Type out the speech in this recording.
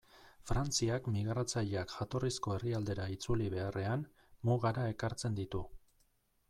Frantziak migratzaileak jatorrizko herrialdera itzuli beharrean, mugara ekartzen ditu.